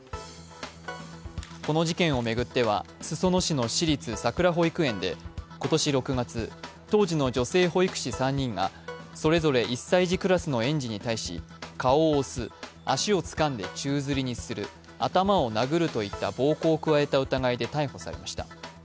この事件を巡っては裾野市の私立さくら保育園で今年６月、当時の女性保育士３人がそれぞれ１歳児クラスの園児に対し顔を押す、足をつかんで宙づりにする、頭を殴るといった暴行を加えた疑いで逮捕されました。